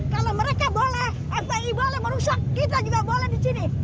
kalau mereka boleh fpi boleh merusak kita juga boleh di sini